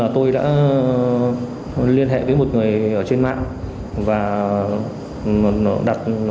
tôi đã liên hệ với một người trên mạng và đặt